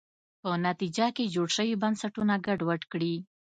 په نتیجه کې جوړ شوي بنسټونه ګډوډ کړي.